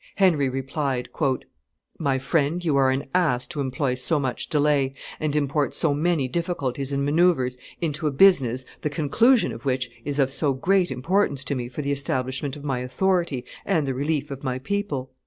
Henry replied, "My friend, you are an ass to employ so much delay and import so many difficulties and manoeuvres into a business the conclusion of which is of so great importance to me for the establishment of my authority and the relief of my people.